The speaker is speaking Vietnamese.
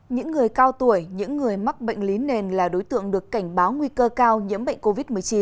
những người cao tuổi những người mắc bệnh lý nền là đối tượng được cảnh báo nguy cơ cao nhiễm bệnh covid một mươi chín